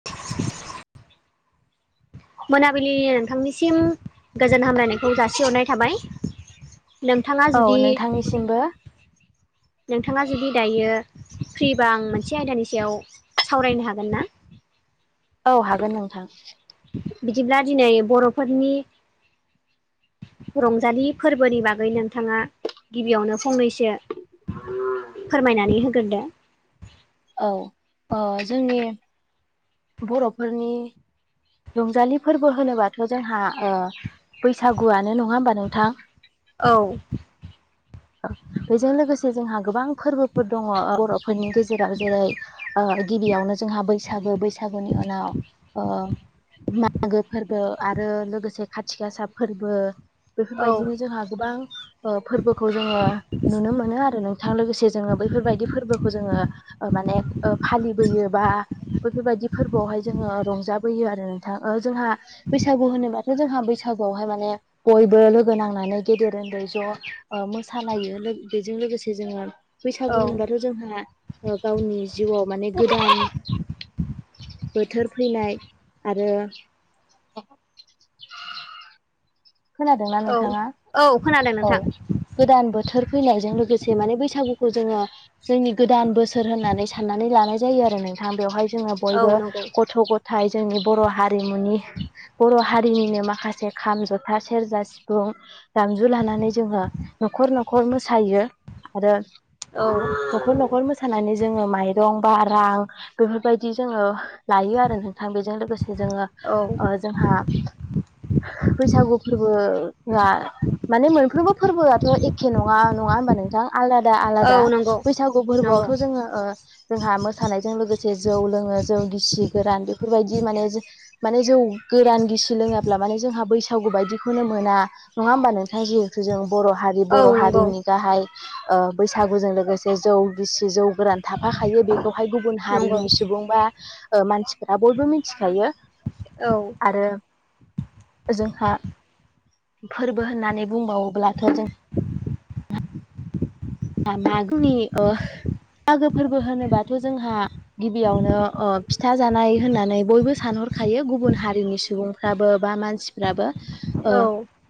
[inaudible] [inaudible] मोनाबिलिनि नोंथांनिसिम गोजोन हामलायनायखौ जासिहरनाय थाबाय नोंथाङा औ जुदि नोंथांनिसिमबो नोंथाङा जुदि दायो फ्रिबा आं मोनसे आयदानि सायाव सावरायनो हागोन ना औ हागोन नोंथां बिदिब्ला दिनै बर'फोरनि रंजालि फोरबोनि बागै नोंथाङा गिबियावनो फंनैसो फोरमायनानै होग्रोदो औ अ जोंनि बर'फोरनि रंजालि फोरबो होनोबाथ' जोंहा ओ बैसागुआनो नङा होनबा नों नोंथां औ बेजों लोगोसे जोंहा गोबां फोरबोफोर दङ बर'फोरनि गेजेराव जेरै ओ गिबियावनो जोंहा बैसागो बैसागुनि उनाव ओ मागो फोरबो आरो लोगोसे खाथि गासा फोरबो औ बेफोरबायदिनो जोंहा गोबां फोरबोखौ जोङो नुनो मोनो आरो नोंथां लोगोसे जोङो बैफोरबायदि फोरबोखौ जोङो माने फालिबोयो बा बैफोरबायदि फोरबोआवहाय जोङो रंजाबोयो आरो नोंथां जोंहा बैसागु होनोबा जोंहा बैसागुआवहाय माने बयबो लोगो नांनानै गेदेर उन्दै ज' मोसालायो बेजों लोगोसे जोङो औ बैसागु होनोबाथ' जोंहा गावनि जिउआव माने गोदान बोथोर फैनाय आरो खोनादोंना औ नोंथाङा औ खोनादों औ नोंथां गोदान बोथोर फैलायजों लोगोसे माने बैसागुखौ जोङो जोंनि गोदान बोसोर होननानै साननानै लानाय जायो आरो नोंथां बेवहाय जोङो औ बयबो नंगौ गथ गथाय जोंनि बर हारिमुनि बर हारिनिनो माखासे खाम जथा सेरजा सिफुं दामजु लानानै जोङो नखर नखर मोसायो। आरो औ नखर नखर मोसानानै जोङो माइरं बा रां बेफोरबायदि जोङो लायो आरो नोंथां बेजों लोगोसे जोङो औ ओ जोंहा बैसागु फोरबोआ माने मोनफ्रोमबो फोरबोआथ एखे नङा नङा होनबा नों दा आलादा औ आलादा नंगौ बैसागु नंगौ फोरबोआवथ जोङो ओ जोंहा मोसानायजों लोगोसे जौ लोङो जौ गिसि गोरान बेफोरबायदि माने जो माने जौ गोरान गिसि लोङाब्ला माने जोंहा बैसागु बायदि खौनो मोना नङा होमबा नोंथां जिहुथु जों बर हारि औ बर नंगौ हारिनि गाहाय ओ बैसागुजों लोगोसे जौ बिसि जौ गोरान थाफाखायो बेखौहाय गुबुन नंगौ हारिनि सुबुं बा ओ मानसिफोरा बयबो मिथिखायो। औ। आरो जोंहा फोरबो होननानै बुंबावोब्लाथ' जों [unintelligible] मागोनि ओ मागो फोरबो होनोबाथ' जोंहा गिबियावनो ओ फिथा जानाय होननानै बयबो सानहरखायो गुबुन हारिनि सुबुं [unintelligible] बा मानसिफ्राबो ओ औ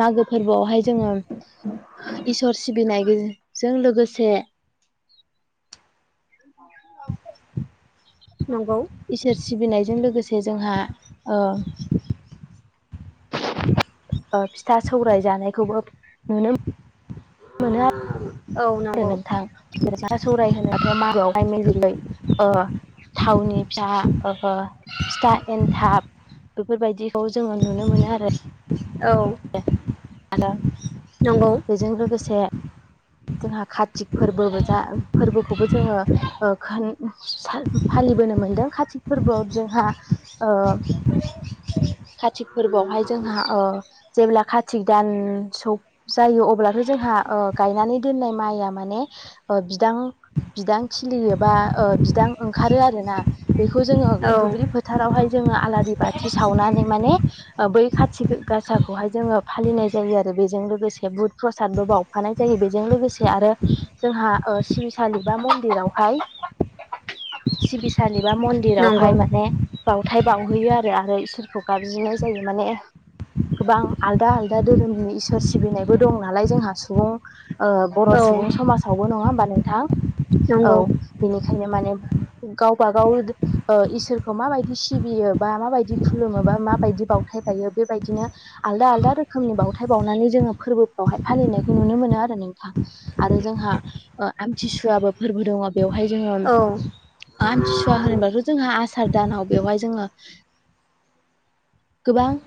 मागो फोरबोआवहाय जोङो इसोर सिबिनाय जों लोगोसे [unintelligible] नंगौ। इसोर सिबिनायजों लोगोसे जोंहा ओ ओ फिथा सौराय जानायखौबो नुनो [unintelligible] मोनो आ औ आरो नंगौ नोंथां सौराय [unintelligible] थावनि [unintelligible] फिथा एन्थाब। बेफोरबायदिखौ जोंङो नुनो मोनो आरो। औ। आरो नंगौ बेजों लोगोसे जोंहा कार्तिक फोरबो जा फोरबोखौबो जोङो ओ [unintelligible] फालिबोनो मोन्दों काति फोरबोआव जोंहा ओ कातिक फोरबोआवहाय जोंहा ओ जेब्ला कार्तिक दान सौ- जायो अब्लाथ जोंहा ओ गायनानै दोननाय माइआ माने ओ बिदां बिदां खिलियो बा ओ बिदां ओंखारो आरोना बेखौ जोङो औ दुब्लि [unintelligible] -थारावहाय जोङो आलारि बाथि सावनानै माने ओ बै कातिक ओ गासाखौहाय जोङो फालिनाय जायो आरो बेजों लोगोसे बुध प्रसादबो बावफानाय जायो बे बेजों लोगोसे आरो जोंहा ओ सिबिसालि बा मन्दिरावहाय सिबिसालि बा नंगौ मन्दिरावहाय माने बावथाय बावहैयो आरो आरो इसोरखौ गाबज्रिनाय जायो माने गोबां आलदा- आलदा धोरोमनि इसोर सिबिनायबो दं नालाय जोंहा सुबुं ओ बर' औ सुबुं समाजावबो नङा होमबा नोंथां? औ नंगौ बेनिखायनो माने गावबा- गाव ओ इसोरखौ माबायदि सिबियो बा माबायदि खुलुमो बा माबायदि बावथाय बायो बेबायदिनो आलदा- आलदा रोखोमनि बावथाय बावनानै जोङो फोरबोफ्रावहाय फालिनायखौ नुनो मोनो आरो नों आरो जोंहा ओ आमथिसुवाबो फोरबो दङ बेवहाय जोङो औ आमथिसुवा होनोबाथ' जोंहा आसार दानाव बेवहाय जोङो गोबां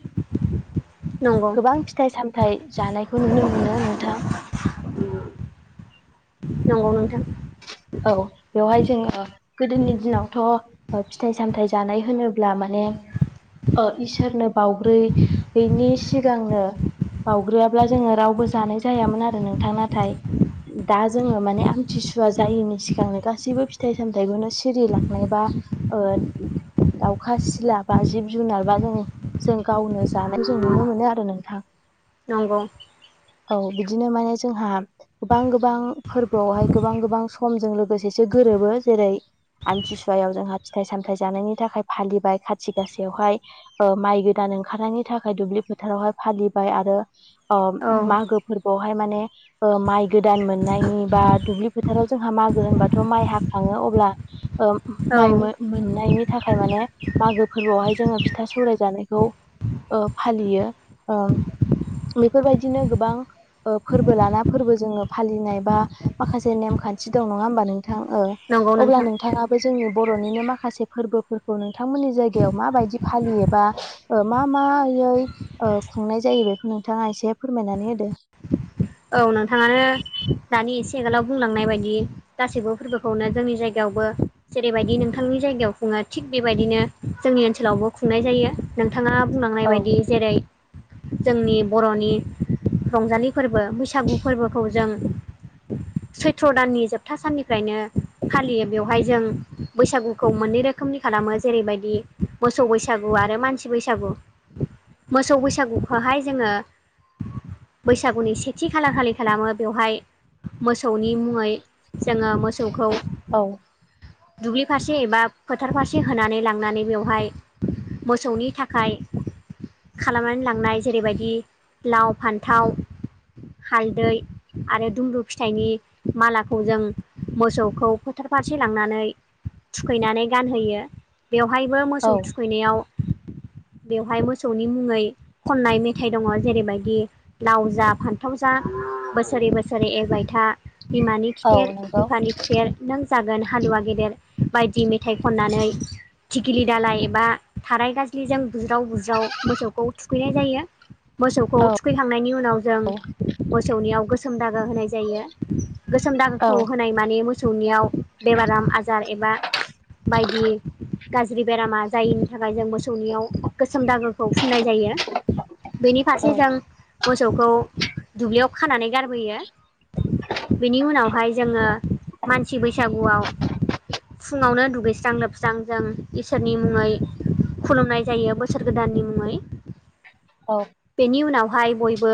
नंगौ गोबां फिथाइ- सामथाइ जानायखौ नुनो मोनो नोंथां। नंगौ नोंथां। औ बेवहाय जोंङो गोदोनि दिनावथ' फिथाइ- सामथाइ जानाय होनोब्ला माने ओ इसोरनो बावग्रोयैनि सिगांनो बावग्रोआब्ला जोंङो रावबो जानाय जायामोन आरो नोंथां नाथाय दा जोंङो माने [unintelligible] आथिसुवा जायैनि सिगांनो गासैबो फिथाइ सामथायखौनो सिरिलांनाय बा ओ दाउखा, सिला बा जिब -जुनार बा जोंङो जों गावनो जानायखौ जों नुनो मोनो आरो नोंथां। नंगौ। औ बिदिनो माने जोंहा गोबां -गोबां फोरबोआवहाय गोबां- गोबां समजों लोगोसेयै गोरोबो जेरै आमथिसुवायाव जोंहा फिथाइ- सामथाय जानायनि थाखाय फालिबाय खाथि आसायावहाय ओ माइ गोदान ओंखारनायनि थाखाय दुब्लि फोथारावहाय फालिबाय आरो अ' औ मागो फोरबोआवहाय माने ओ माइ गोदान मोननायनि बा दुब्लि फोथाराव जोंहा मागो होनबाथ' माइ हाखांङो अब्ला माइ ओ मोननायनि थाखाय माने मागो फोरबोआवहाय जोङो फिथा सौराय जानायखौ ओ फालियो ओ बेफोरबायदिनो गोबां ओ फोरबो लाना फोरबो जोंङो फालिनाय बा माखासे नेमखान्थि दं नङा होमबा नोंथां ओ नंगौ अब्ला नोंथां नोंथाङा बे जोंनि बर'निनो माखासे फोरबोफोरखौ नोंथांमोननि जायगायाव माबायदि फालियोबा ओ मा मायै ओ खुंनाय जायो बेखौ नोंथाङा एसे फोरमायनानै होदो। औ नोंथाङानो दानि एसे आगोलाव बुंलांनाय बायदि गासैबो फोरबोखौनो जोंनि जायगायावबो जेरैबायदि नोंथांनि जायगायाव खुङो थिग बेबायदिनो जोंनि ओनसोलावबो खुंनाय जायो। नोंथाङा बुंलांनाय औ बायदि जेरै जोंनि बर'नि रंजालि फोरबो फोरबो बैसागु फोरबोखौ जों सैथ्र' दाननि जोबथा साननिफ्रायनो फालियो बेवहाय जों बैसागुखौ मोननै रोखोम रोखोमनि खालामो जेरैबायदि मोसौ बैसागु आरो मानसि बैसागु मोसौ बैसागुखौहाय जोंङो बैसागुनि सि [unintelligible] खालि खालामो बेवहाय मोसौनि मुङै जोंङो मोसौखौ औ दुब्लि फारसे एबा फोथार फारसे होनानै लांनानै बेवहाय मोसौनि थाखाय खालामनानै लांनाय जेरैबायदि लाव, फान्थाव हालदै आरो दुम्ब्रु फिथाइनि मालाखौ जों मोसौखौ फोथार फारसे लांनानै थुखैनानै गानहोयो बेवहायबो मोसौ औ थुखैनायाव बेवहाय मोसौनि मुङै खननाय मेथाइ दङ जेरैबायदि लाव जा फान थाव जा बोसोरै बोसोरै एरबायथा बिमानि औ खिथेर नंगौ बिफानि खि गेदेर नों जागोन हालुवा गेदेर बायदि मेथाइ खननानै थिखिलि दालाय एबा थाराय गाज्लिजों बुज्राव बुज्राव मोसौखौ थुखैनाय जायो। मोसौखौ औ थुखैखांनायनि उनाव जों मोसौनियाव गोसोम दागा होनाय जायो। गोसोम औ दाखौ होनाय माने मोसौनियाव बेमार आजार एबा बायदि गाज्रि बेरामा जायिनि थाखाय जों मोसौनियाव गोसोम दागोखौ फुनाय जायो। बेनि फारसे जों मोसौखौ दुब्लियाव खानानै गारबोयो। बेनि उनावहाय जोंङो मानसि बैसागुआव फुंङावनो दुगैस्रां लोबस्रां जों इसोरनि मुङै खुलुमनाय जायो बोसोर गोदाननि मुङै। औ। बेनि उनावहाय बयबो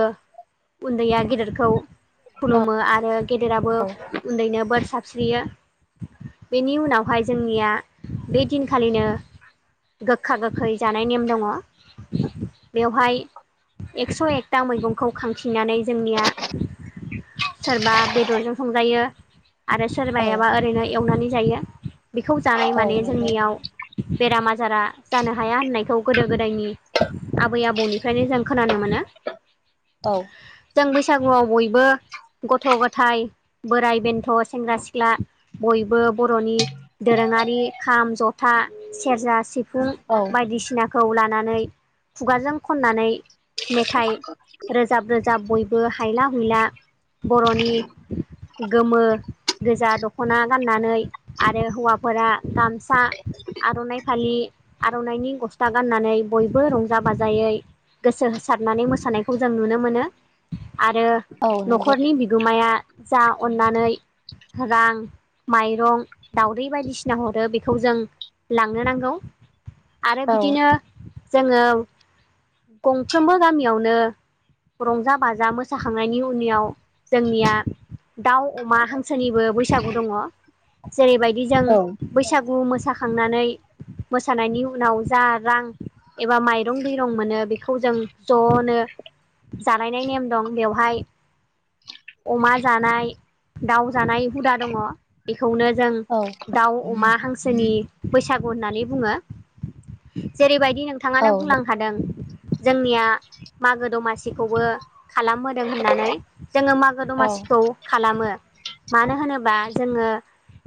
उन्दैया गेदेरखौ खुलुमो आरो गेदेराबो उन्दैनो बोर सारस्रियो। बेनि उनावहाय जोंनिया बे दिनखालिनो गोखा गोखै जानाय नेम दङ बेवहाय एक्स' एकथा मैगंखौ खांफिननानै जोंनिया सोरबा बेदरजों संजायो आरो सोरबायाबा ओरैनो एवनानै जायो बेखौ जानाय औ माने नंगौ जोंनियाव बेराम आजारा जानो हाया होननायखौ गोदो गोदायनि आबै आबौनि फ्रायनो जों खोनानो मोनो। औ जों बैसागुआव बयबो गथ' गथाय बोराइ बेन्थ' सेंग्रा सिख्ला बयबो बर'नि दोरोङारि खाम जथा सेरजा सि फुं औ बायदिसिनाखौ लानानै खुगाजों खननानै मेथाइ रोजाब रोजाब बयबो हायला हुइला बर'नि गोमो गोजा दख'ना गाननानै आरो हौवाफोरा गामसा आर'नाइ फालि आर'नाइनि गसथा गाननानै बयबो रंजा बाजायै गोसो होसारनानै मोसानायखौ जों नुनो मोनो। आरो औ नंगौ न'खरनि बिगोमाया जा अननानै रां माइरं दउदै बायदिसिना हरो बेखौ जों लांनो नांगौ आरो औ बिदिनो जोङो गंफ्रोमबो गामियावनो रंजा बाजा मोसाखांनायनि उनाव जोंनिया दाउ अमा हांसोनिबो बैसागु दङ जेरैबायदि जों औ बैसागु मोसाखांनानै मोसानायनि उनाव जा रां एबा माइरं दैरं मोनो। बेखौ जों ज'नो जालायनाय नेम दं बेवहाय अमा जानाय दाउ जानाय हुदा दङ बेखौनो जों औ दाउ अमा हांसोनि बैसागु होननानै बुङो जेरैबादि नो औ थाङानो बुंलांखादों जोंनिया मागो दमासिखौबो खालामबोदों होननानै जोङो मागो दमासिखौ खालामो मानो होनोबा जोङो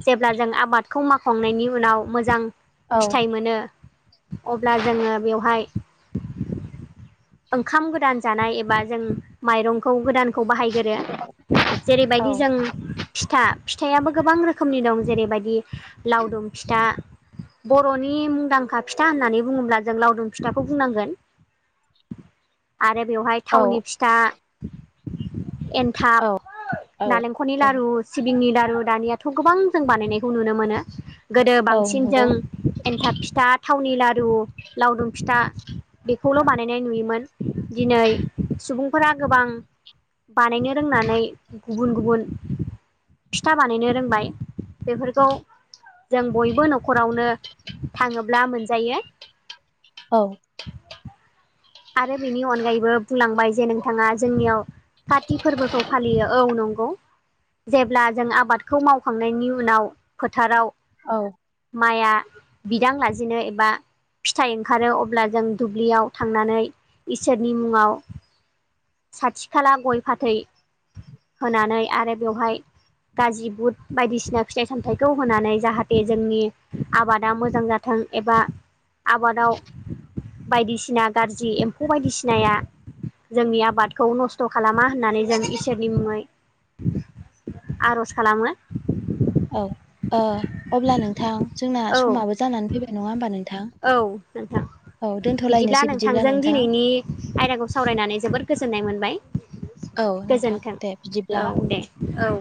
जेब्ला जों आबादखौ मावखांनायनि उनाव मोजां औ फिथाइ मोनो अब्ला जोङो बेवहाय ओंखाम गोदान जानाय एबा जों माइरंखौ गोदानखौ बाहायग्रोयो जेरैबायदि जों फिथा फिथायाबो गोबां रोखोमनि दं जेरैबायदि लावदुम फिथा। बर'नि मुंदांखा फिथा होननानै बुङोब्ला जों लावदुम फिथाखौ बुंनांगोन। आरो बेवहाय थावनि फिथा एन्थाब औ औ नालेंखर नखरनि लारु सिबिंनि लारु दानियाथ' गोबां जों बानायनायखौ नुनो मोनो। गोदो औ बांसिन नंगौ जों एन्थाब फिथा थावनि लारु लावदुम फिथा खौल' बानायनाय नुयोमोन दिनै सुबुंफोरा गोबां बानायनो रोंनानै गुबुन गुबुन फिथा बानायनो रोंबाय बेफोरखौ जों बयबो न'खरावनो थाङोब्ला मोनजायो औ आरो बेनि अनगायैबो बुंलांबाय जे नोंथाङा जोंनियाव काति फोरबोखौ फालियो औ नंगौ। जेब्ला जों आबादखौ मावखांनायनि उनाव फोथाराव औ माइया बिदां लाजिनो एबा फिथाइ ओंखारो अब्ला जों दुब्लियाव थांनानै इसोरनि मुङाव साथि खाला गय फाथै होनानै आरो बेवहाय गाजि बुट बायदिसिना फिथाइ सामथाइखौ होनानै जाहाथे जोंनि आबादा मोजां जानाय गोथां एबा आबादाव बायदिसिना गाज्रि जि एम्फौ बायदिसिनाया जोंनि आबादखौ नस्थ' खालामा होननानै जों इसोरनि मुङै आर'ज खालामो औ अब्ला नोंथां जोंना औ समाबो जानानै फैबाय नङा होमबा नोंथां औ नोंथां औ बिदिब्ला दोनथ'लायनोसै नोंथांजों नोंथां दिनैनि आयदाखौ सावरायनानै जोबोर गोजोननाय मोनबाय औ नोंथां गोजोन्थों दे बिदिब्ला औ दे औ